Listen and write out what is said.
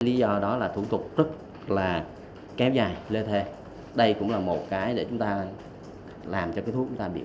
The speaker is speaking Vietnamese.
lý do đó là thủ tục rất là kém dài lê thê đây cũng là một cái để chúng ta làm cho cái thuốc chúng ta bị hoa đá